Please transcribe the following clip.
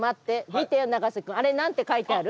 見て永瀬くんあれ何て書いてある？